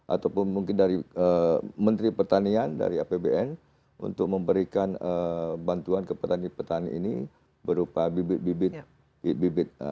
ataupun mungkin dari menteri pertanian dari apbn untuk memberikan bantuan ke petani petani ini berupa bibit bibit bibit